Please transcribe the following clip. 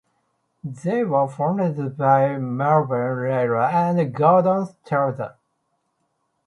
They were founded by Melvin Riley and Gordon Strozier.